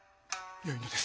よいのです。